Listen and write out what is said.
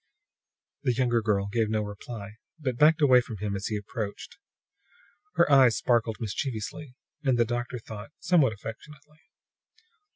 The younger girl gave no reply, but backed away from him as he approached; her eyes sparkled mischievously and, the doctor thought, somewhat affectionately.